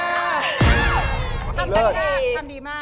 จัดจานยานวิภา